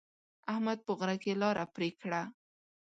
احمد په غره کې لاره پرې کړه.